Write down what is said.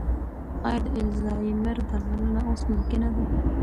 ایا د الزایمر درملنه اوس ممکنه ده؟